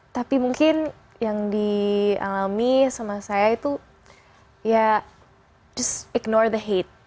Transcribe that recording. tapi mungkin yang dialami sama saya itu ya this ⁇ ignore the hate